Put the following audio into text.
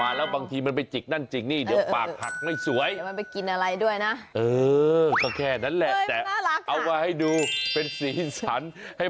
อ้าวนิวไก่ก็ต้องยิงอุณหภูมิ